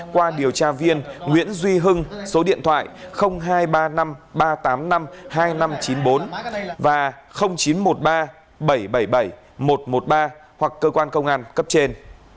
qua điều tra viên nguyễn duy hưng số điện thoại hai trăm ba mươi năm ba trăm tám mươi năm hai nghìn năm trăm chín mươi bốn và chín trăm một mươi ba bảy trăm bảy mươi bảy một trăm một mươi ba hoặc cơ quan công an cấp trên